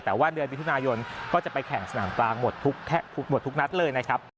แต่ว่าเดือนมิถุนายนก็จะไปแข่งสนามกลางหมดทุกนัดเลยนะครับ